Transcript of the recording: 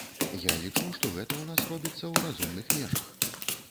Я лічу, што гэта ў нас робіцца ў разумных межах.